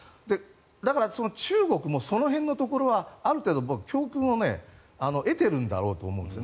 だから、中国もその辺のところはある程度教訓は得ているんだろうと思うんです。